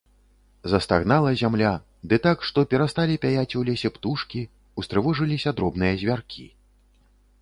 Застагнала зямля, ды так, што перасталі пяяць у лесе птушкі, устрывожыліся дробныя звяркі.